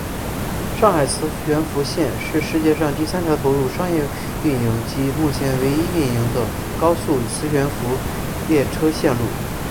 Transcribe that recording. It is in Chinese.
上海磁浮线是世界上第三条投入商业运营及目前唯一运营的高速磁悬浮列车线路。